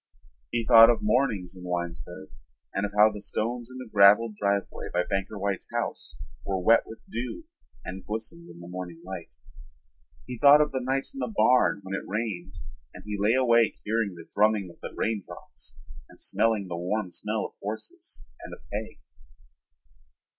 He thought of mornings in Winesburg and of how the stones in the graveled driveway by Banker White's house were wet with dew and glistened in the morning light. He thought of the nights in the barn when it rained and he lay awake hearing the drumming of the raindrops and smelling the warm smell of horses and of hay.